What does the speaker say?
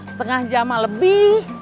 setengah jam mah lebih